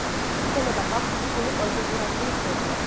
შენობას აქვს რთული კონფიგურაციის გეგმა.